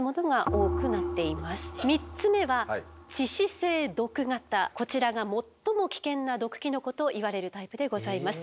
３つ目はこちらが最も危険な毒キノコといわれるタイプでございます。